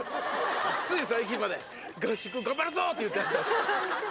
つい最近まで、合宿頑張るぞって言ってた。